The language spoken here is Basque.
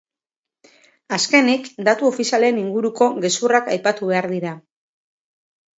Azkenik, datu ofizialen inguruko gezurrak aipatu behar dira.